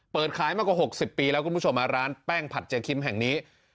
เปิดขายมากว่า๖๐ปีแล้วคุณผู้ชมร้านแป้งผัดเจคิมแห่งนี้